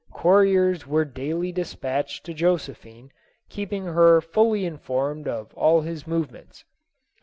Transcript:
Couriers were daily despatched to Josephine, keeping her fully informed of all his movements.